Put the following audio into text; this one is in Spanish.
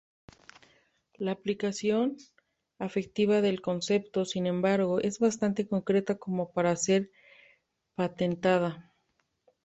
La aplicación efectiva del concepto, sin embargo, es bastante concreta como para ser patentada.